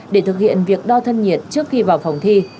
để thực hiện việc đo thân nhiệt trước khi vào phòng thi